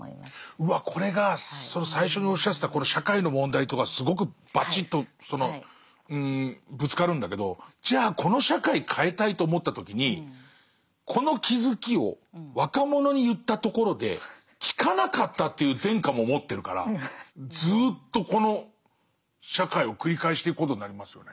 うわこれがその最初におっしゃってた社会の問題とがすごくバチッとそのぶつかるんだけどじゃあこの社会変えたいと思った時にこの気付きを若者に言ったところで聞かなかったという前科も持ってるからずっとこの社会を繰り返していくことになりますよね。